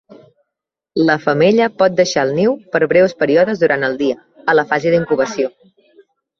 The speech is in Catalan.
La femella pot deixar el niu per breus períodes durant el dia, a la fase d"incubació.